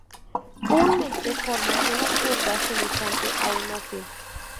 Comúnmente forman una curva semejante a una "C".